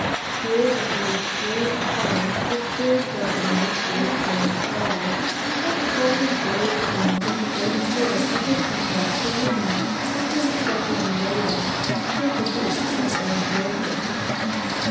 Here they made strange fire to the spirits of the monsters they had slaughtered, and spoke in grave tones of the great spirit that had come down from the moon in the form of a raven with a beak of old ivory.